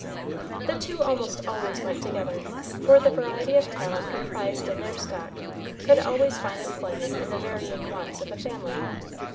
The two almost always went together, for the variety of talent comprised in their stock could always find employment in the varying wants of a family.